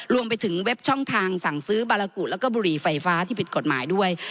เว็บช่องทางสั่งซื้อบาลากุแล้วก็บุหรี่ไฟฟ้าที่ผิดกฎหมายด้วย